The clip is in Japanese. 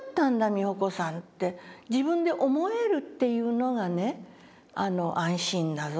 美穂子さんって自分で思えるっていうのがね安心だぞ」